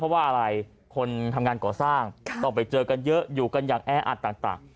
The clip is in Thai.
เพราะว่าอะไรคนทำงานก่อสร้างต้องไปเจอกันเยอะอยู่กันอย่างแออัดต่าง